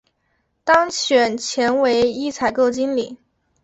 当选前为一采购经理。